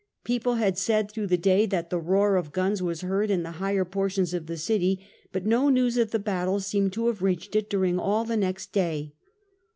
People had said, through the day, that the roar of guns was heard in the higher portions of the city, but no news of the battle seemed to have reached it during all the next day.